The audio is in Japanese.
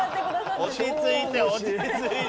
落ち着いて落ち着いて。